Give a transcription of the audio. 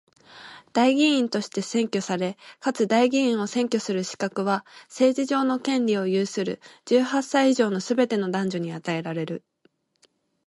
代議員として選挙され、かつ代議員を選挙する資格は、政治上の権利を有する十八歳以上のすべての男女に与えられる。